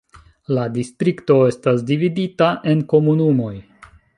La distrikto estas dividita en komunumoj.